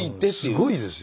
すごいですよ。